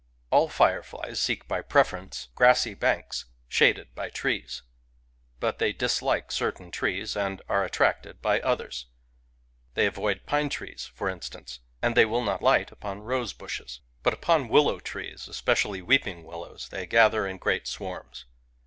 All fire flies seek by preference grassy banks shaded by trees; but they dislike certain trees and are at tracted by others. They avoid pine trees, for in stance; and they will not light upon rose bushes. But upon willow trees — especially weeping wil lows — they gather in great swarms.